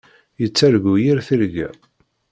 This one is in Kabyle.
Yettargu yir tirga.